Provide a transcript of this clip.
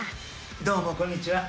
どうも、こんにちは。